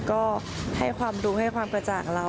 ก็ให้ความรู้ให้ความกระจ่างเรา